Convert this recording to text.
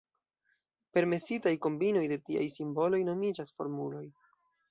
Permesitaj kombinoj de tiaj simboloj nomiĝas formuloj.